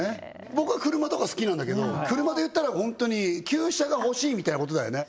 僕は車とか好きなんだけど車で言ったらホントに旧車が欲しいみたいなことだよね